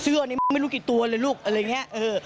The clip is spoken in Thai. เสื้อนี้ไม่รู้กี่ตัวเลยลูกอะไรอย่างนี้